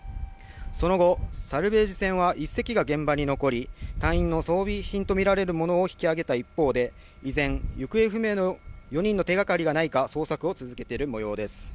その後、サルベージ船は１隻が現場に残り、隊員の装備品と見られるものを引き揚げた一方で、依然、行方不明の４人の手がかりがないか、捜索を続けているもようです。